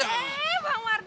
eh bang mardani